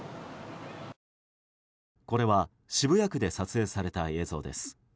これは渋谷区で撮影された映像です。